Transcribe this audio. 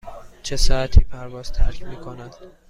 چه ساعتی پرواز ترک می کند؟